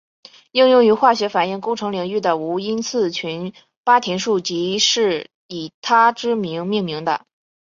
应用于化学反应工程领域的无因次群八田数即是以他之名命名的。